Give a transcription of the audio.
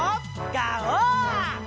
ガオー！